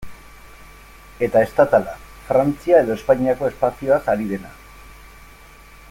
Eta estatala, Frantzia edo Espainiako espazioaz ari dena.